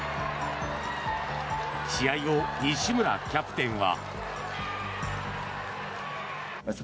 試合後、西村キャプテンは。